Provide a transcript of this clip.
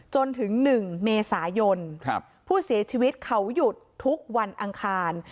จนถึง๑เมษายนผู้เสียชีวิตเขาหยุดทุกวันอังคาร